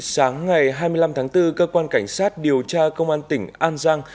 sáng ngày hai mươi năm tháng bốn cơ quan cảnh sát điều tra công an tỉnh an giang